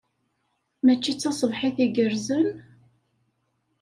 Mačči d taṣebḥit igerrzen?